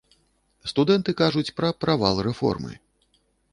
Студэнты кажуць пра правал рэформы.